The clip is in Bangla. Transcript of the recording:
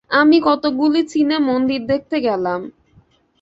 আমি কতকগুলি চীনে মন্দির দেখতে গেলাম।